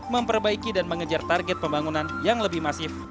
memperbaiki dan mengejar target pembangunan yang lebih masih fasilitas